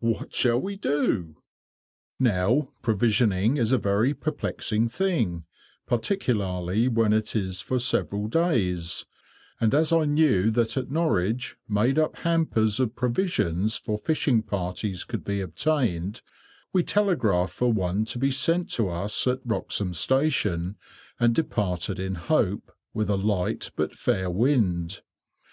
What shall we do?" Now, provisioning is a very perplexing thing, particularly when it is for several days, and as I knew that at Norwich made up hampers of provisions for fishing parties could be obtained, we telegraphed for one to be sent to us at Wroxham station, and departed in hope, with a light but fair wind.